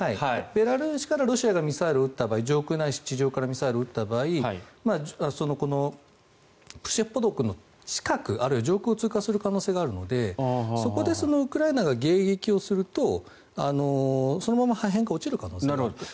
ベラルーシからロシアが上空ないし地上からミサイルを撃った場合プシェボドゥフの近くあるいは上空を通過する可能性があるのでそこでウクライナが迎撃をするとそのまま破片が落ちる可能性があるんです。